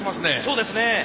そうですね。